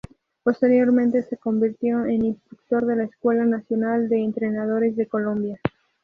Posteriormente se convirtió en instructor de la Escuela Nacional de Entrenadores de Colombia.